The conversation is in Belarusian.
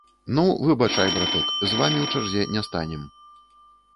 Ну, выбачай, браток, з вамі ў чарзе не станем.